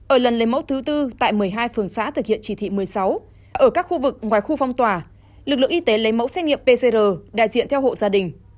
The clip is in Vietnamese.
ở lần lấy mẫu thứ tư tại một mươi hai phường xã thực hiện chỉ thị một mươi sáu ở các khu vực ngoài khu phong tỏa lực lượng y tế lấy mẫu xét nghiệm pcr đại diện theo hộ gia đình